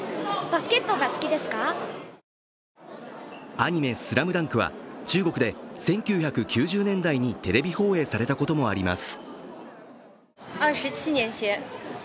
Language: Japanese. アニメ「ＳＬＡＭＤＵＮＫ」は中国で１９９０年代にテレビ放映されたこともあります。